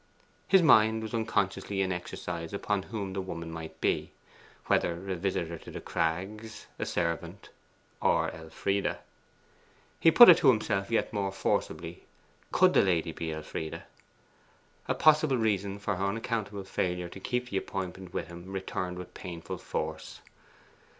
His mind was unconsciously in exercise upon whom the woman might be whether a visitor to The Crags, a servant, or Elfride. He put it to himself yet more forcibly; could the lady be Elfride? A possible reason for her unaccountable failure to keep the appointment with him returned with painful force.